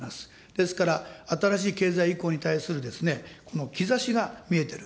ですから、新しい経済移行に対するですね、兆しが見えてる。